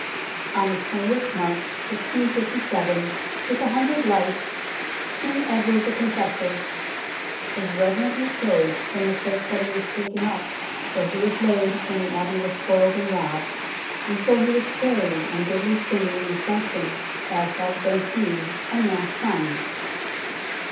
On the 2oth March 1557, with a hundred lights, King Edward the Confessor " was reverently carried from the place that he 52 UNKNOWN LONDON was taken up where he was laid when the Abbey was spoiled and robbed, and so he was carried, and goodly singing and censing as has been seen, and Mass sung."